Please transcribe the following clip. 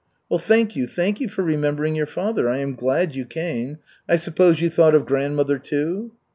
"Well, thank you, thank you for remembering your father. I am glad you came. I suppose you thought of grandmother, too?"